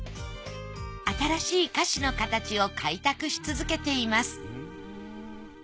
新しい菓子の形を開拓し続けています